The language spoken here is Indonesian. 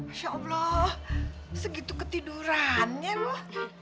masya allah segitu ketidurannya loh